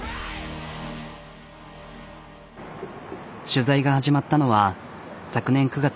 取材が始まったのは昨年９月。